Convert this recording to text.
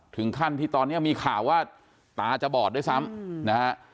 ถึงขั้นที่ตอนนี้มีข่าวว่าตาจะบอดด้วยซ้ำนะฮะ